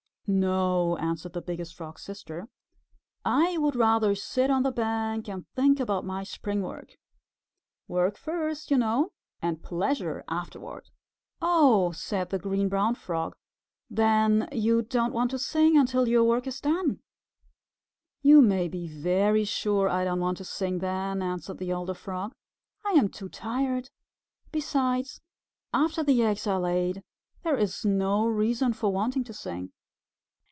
"No," answered the Biggest Frog's Sister. "I would rather sit on the bank and think about my spring work. Work first, you know, and pleasure afterward!" "Oh!" said the Green Brown Frog. "Then you don't want to sing until your work is done?" "You may be very sure I don't want to sing then," answered the older Frog. "I am too tired. Besides, after the eggs are laid, there is no reason for wanting to sing."